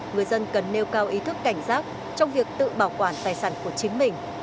người dân cần nêu cao ý thức cảnh giác trong việc tự bảo quản tài sản của chính mình